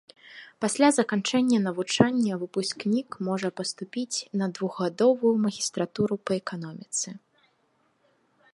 Пасля заканчэння навучання выпускнік можа паступіць на двухгадовую магістратуру па эканоміцы.